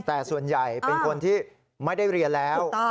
แต่ส่วนใหญ่เป็นคนที่ไม่ได้เรียนแล้ว